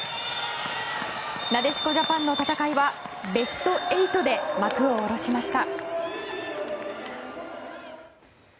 なでしこジャパンの戦いはベスト８で幕を下ろしました。